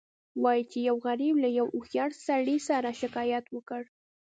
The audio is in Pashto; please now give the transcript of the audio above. وایي چې یو غریب له یو هوښیار سړي سره شکایت وکړ.